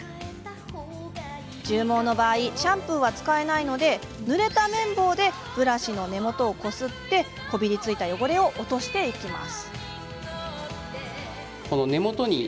獣毛の場合シャンプーは使えないのでぬれた綿棒でブラシの根元をこすりこびりついた汚れを落としていきます。